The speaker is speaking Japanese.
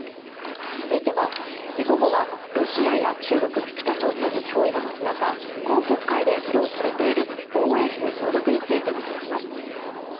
午後はロシアや中国、北朝鮮の脅威が増す中、今国会で議論されている防衛費の増額について見ていきます。